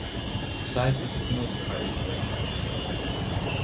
Sizes of most are in the range.